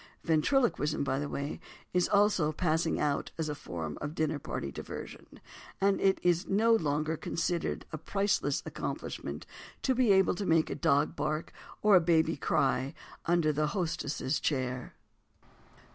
Ventriloquism, by the way, is also passing out as a form of dinner party diversion, and it is no longer considered a priceless accomplishment to be able to make a dog bark or a baby cry under the hostess's chair.